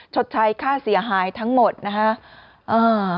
ชดใช้ค่าเสียหายทั้งหมดนะฮะ